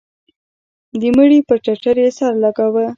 د مړي پر ټټر يې سر لگاوه.